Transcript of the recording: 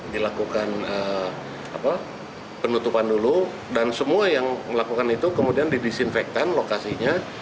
dilakukan penutupan dulu dan semua yang melakukan itu kemudian didisinfektan lokasinya